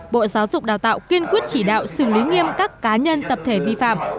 bộ giáo dục đào tạo kiên quyết chỉ đạo xử lý nghiêm các cá nhân tập thể vi phạm